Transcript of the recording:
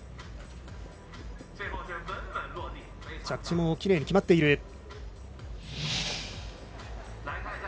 着地もきれいに決まっている。